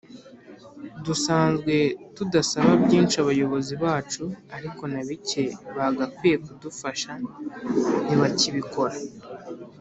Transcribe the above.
Dusanzwe tudasaba byinshi abayobozi bacu ariko na bike bagakwiye kudufasha ntibakibikora